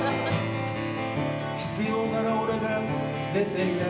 「必要なら俺が出てやる」